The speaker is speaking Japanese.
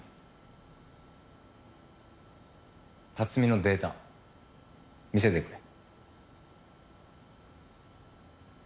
辰巳のデータ見せてくれ。